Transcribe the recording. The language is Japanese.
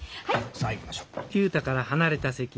さあいきましょ。